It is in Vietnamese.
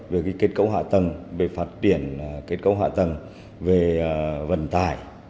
về kết cấu hạ tầng về phát triển kết cấu hạ tầng về vận tải